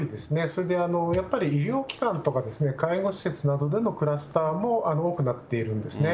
それでやっぱり医療機関とか、介護施設などでのクラスターも多くなっているんですね。